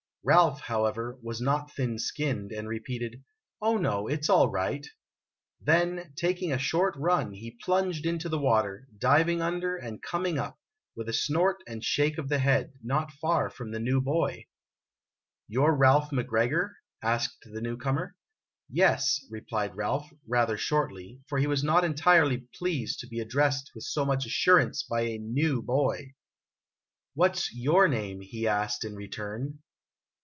Ralph, however, was not thin skinned, and repeated, " Oh, no ; it 's all right !' Then, taking a short run, he plunged into the water, diving under and coming up, with a snort and shake of the head, not far from the new boy. " You 're Ralph McGregor ?" asked the new comer. " Yes," replied Ralph, rather shortly, for he was not entirely 1 62 IMAGINOTIONS pleased to be addressed with so much assurance by a " new " boy. " What 's your name ?' he asked, in turn.